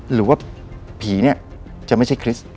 หรือว่าผีเนี่ยจะไม่ใช่คริสต์